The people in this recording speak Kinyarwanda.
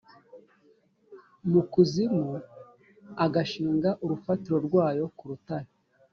mu kuzimu agashinga urufatiro rwayo ku rutare